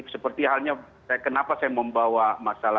seperti halnya kenapa saya membawa masalah